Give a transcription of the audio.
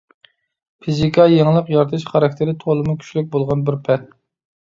فىزىكا — يېڭىلىق يارىتىش خاراكتېرى تولىمۇ كۈچلۈك بولغان بىر پەن.